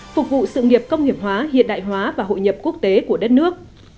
phục vụ sự nghiệp công nghiệp hóa hiện đại hóa và hội nhập quốc tế của đất nước